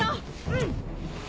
うん！